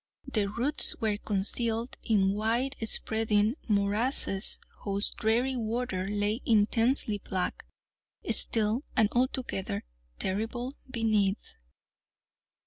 Their roots were concealed in wide spreading morasses, whose dreary water lay intensely black, still, and altogether terrible, beneath.